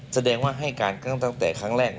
แสดงว่าให้การตั้งแต่ครั้งแรก